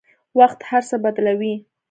وخت هر څه بدلوي.